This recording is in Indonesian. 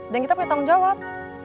dan kita punya tanggung jawab